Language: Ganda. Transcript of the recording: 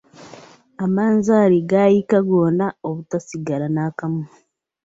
Amanzaali gaayiika gonna obutasigala naakamu.